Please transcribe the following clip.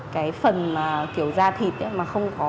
cái phần kiểu da thịt mà không có